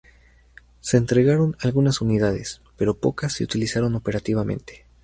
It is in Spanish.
Se entregaron algunas unidades, pero pocas se utilizaron operativamente.